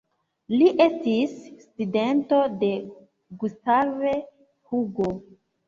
Li estis studento de Gustav Hugo.